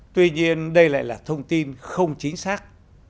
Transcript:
tuy nhiên đây lại là thông tin không chính xác